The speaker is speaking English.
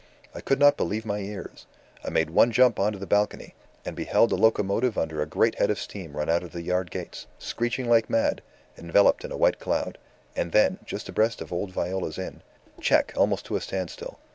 I could not believe my ears. I made one jump on to the balcony, and beheld a locomotive under a great head of steam run out of the yard gates, screeching like mad, enveloped in a white cloud, and then, just abreast of old Viola's inn, check almost to a standstill.